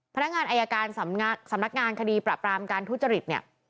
พนักงานอายการสำนักงานคดีปราบรามการทุจริตเนี่ย